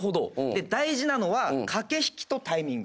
で大事なのは駆け引きとタイミング。